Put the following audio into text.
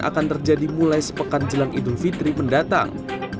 akan terjadi mulai sepekan jelang idul fitri mendatang